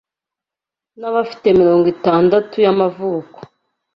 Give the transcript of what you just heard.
Nabafite mirongo itandatu y'amavuko